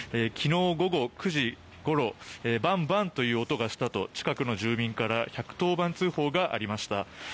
昨日午後９時ごろバンバンという音がしたと近くの住民から１１０番通報がありました。